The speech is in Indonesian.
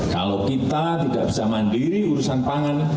kalau kita tidak bisa mandiri urusan pangan